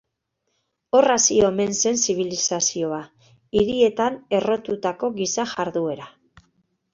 Hor hasi omen zen zibilizazioa, hirietan errotutako giza jarduera.